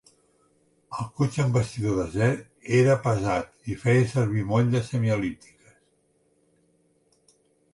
El cotxe amb bastidor d'acer era pesat i feia servir motlles semiel·líptiques.